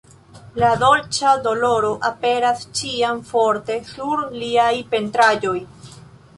La "dolĉa doloro" aperas ĉiam forte sur liaj pentraĵoj.